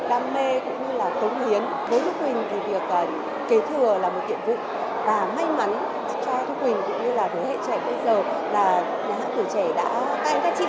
am mê cũng như là cống hiến với thu quỳnh thì việc kế thừa là một tiệm vụ và may mắn cho thu quỳnh cũng như là thế hệ trẻ bây giờ là nhà hát tuổi trẻ đã tăng ca trị